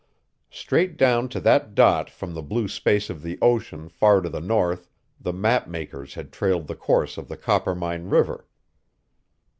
Straight down to that dot from the blue space of the ocean far to the north the map makers had trailed the course of the Coppermine River.